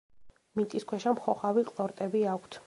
მიწისქვეშა მხოხავი ყლორტები აქვთ.